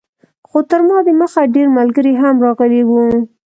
خو تر ما دمخه ډېر ملګري هم راغلي وو.